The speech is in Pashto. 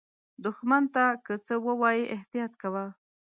دښمن ته که څه ووایې، احتیاط کوه